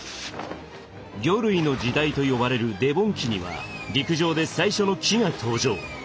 魚類の時代と呼ばれるデボン紀には陸上で最初の木が登場。